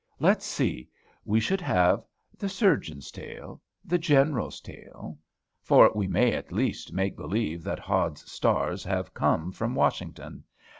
Let's see, we should have THE SURGEON'S TALE; THE GENERAL'S TALE; for we may at least make believe that Hod's stars have come from Washington.